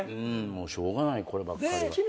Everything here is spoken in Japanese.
しょうがないこればっかりは。